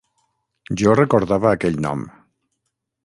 Jo recordava aquell nom.